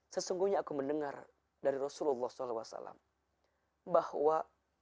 sesungguhnya aku mendengar dari rasulullah saw bahwa